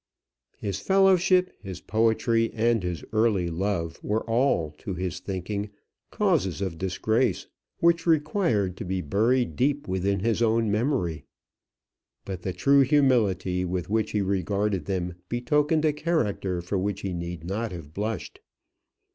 His fellowship, his poetry, and his early love were all, to his thinking, causes of disgrace, which required to be buried deep within his own memory. But the true humility with which he regarded them betokened a character for which he need not have blushed.